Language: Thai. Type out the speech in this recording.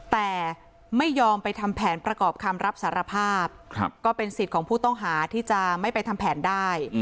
แต่ไม่ยอมไปทำแผนประกอบคำรับสารภาพก็เป็นสิทธิ์ของผู้ต้องหาที่จะไม่ไปทำแผนได้